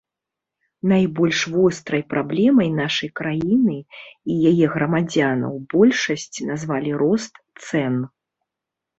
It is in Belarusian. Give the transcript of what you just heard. Найбольш вострай праблемай нашай краіны і яе грамадзянаў большасць назвалі рост цэн.